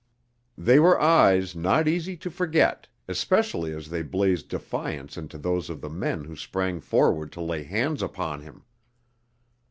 They were eyes not easy to forget, especially as they blazed defiance into those of the men who sprang forward to lay hands upon him.